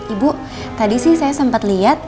ibu tadi sih saya sempat lihat